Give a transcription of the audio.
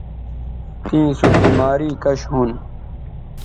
تیں سو بیماری کش ھون